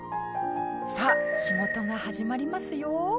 さあ仕事が始まりますよ。